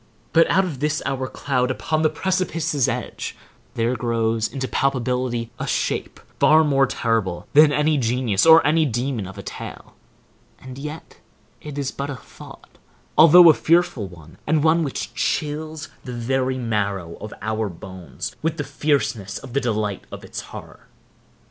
But out of this our cloud upon the precipice's edge, there grows into palpability, a shape, far more terrible than any genius or any demon of a tale, and yet it is but a thought, although a fearful one, and one which chills the very marrow of our bones with the fierceness of the delight of its horror.